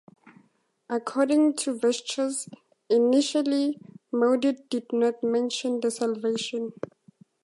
According to Viesturs, initially Mauduit did not mention the salvation.